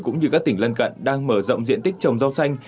cũng như các tỉnh lân cận đang mở rộng diện tích trồng rau xanh